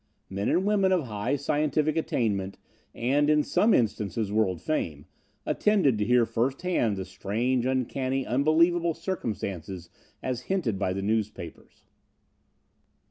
Men and women of high scientific attainment, and, in some instances, world fame, attended to hear first hand the strange, uncanny, unbelievable circumstances as hinted by the newspapers.